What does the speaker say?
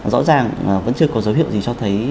rõ ràng vẫn chưa có dấu hiệu gì cho thấy